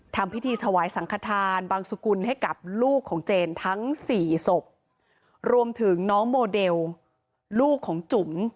ทำพิธีถวายสังขทานบางสุกุลให้กับลูกของเจนทั้งสี่ศพรวมถึงน้องโมเดลลูกของจุ๋ม